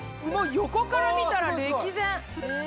横から見たら歴然。